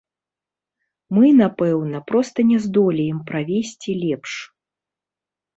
Мы, напэўна, проста не здолеем правесці лепш.